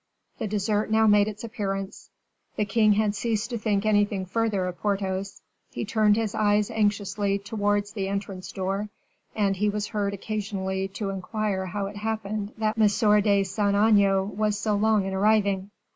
The dessert now made its appearance. The king had ceased to think anything further of Porthos; he turned his eyes anxiously towards the entrance door, and he was heard occasionally to inquire how it happened that Monsieur de Saint Aignan was so long in arriving.